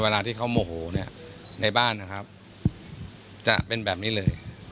เวลาที่เขาโมโหเนี่ยในบ้านนะครับจะเป็นแบบนี้เลย